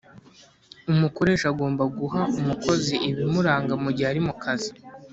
Umukoresha agomba guha umukozi ibimuranga mugihe arimukazi